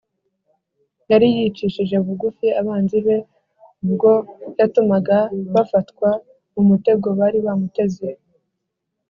yari yacishije bugufi abanzi be ubwo yatumaga bafatwa mu mutego bari bamuteze